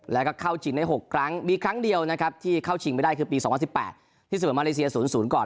แล้วก็เข้าชิงได้๖ครั้งมีครั้งเดียวนะครับที่เข้าชิงไม่ได้คือปี๒๐๑๘ที่เสมอมาเลเซีย๐๐ก่อน